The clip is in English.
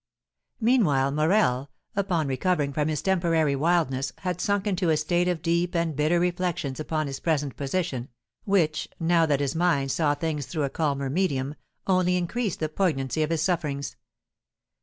Meanwhile Morel, upon recovering from his temporary wildness, had sunk into a state of deep and bitter reflections upon his present position, which, now that his mind saw things through a calmer medium, only increased the poignancy of his sufferings.